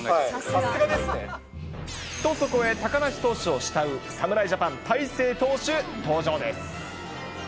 さすがですね。と、そこへ高梨投手を慕う侍ジャパン、大勢投手、登場です。